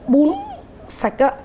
bún sạch á